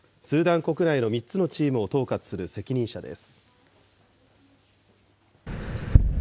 スーダン国内の３つのチームを統括する責任者です。